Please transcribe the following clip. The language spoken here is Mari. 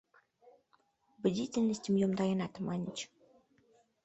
Бдительностьым йомдаренат, маньыч...